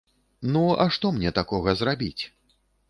Ну, а што мне такога зрабіць?